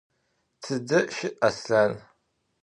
Tıde şı' Aslhan?